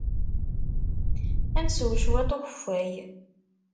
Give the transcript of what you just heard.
Ad nsew cwiṭ n ukeffay.